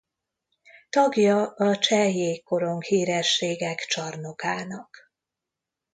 Tagja a Cseh Jégkorong Hírességek Csarnokának.